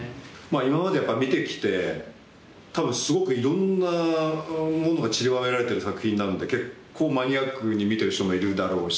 今まで見て来て多分すごくいろんなものがちりばめられてる作品なので結構マニアックに見てる人もいるんだろうし。